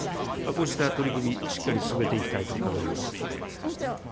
こうした取り組み、しっかり進めていきたいと考えます。